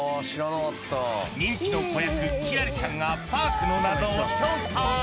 人気の子役きらりちゃんがパークの謎を調査。